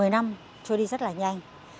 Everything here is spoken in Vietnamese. một mươi năm trôi đi rất là nhanh